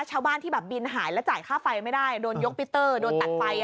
ชาวบ้านที่แบบบินหายแล้วจ่ายค่าไฟไม่ได้โดนยกมิเตอร์โดนตัดไฟ